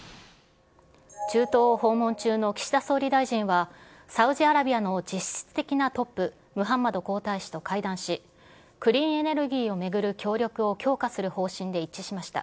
中東を訪問中の岸田総理大臣は、サウジアラビアの実質的なトップ、ムハンマド皇太子と会談し、クリーンエネルギーを巡る協力を強化する方針で一致しました。